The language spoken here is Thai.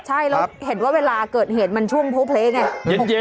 ใช่แล้วเห็นว่าเวลาเกิดเหตุมันช่วงโพลเพลไง